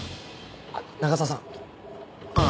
あっ長沢さん。